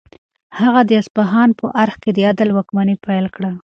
هغه د اصفهان په ارګ کې د عدل واکمني پیل کړه.